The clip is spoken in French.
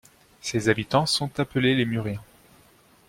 Ses habitants sont appelés les Muriens.